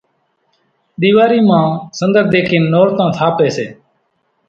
ۮيواري مان سنۮر ۮيکين نورتان ساپي سي